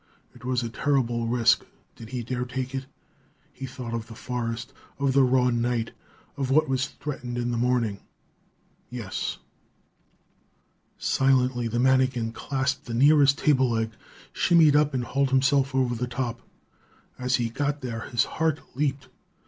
It was a terrible risk. Did he dare take it? He thought of the forest, of the raw night, of what was threatened in the morning.... Yes! Silently, the manikin clasped the nearest table leg, shinnied up and hauled himself over the top. As he got there his heart leaped.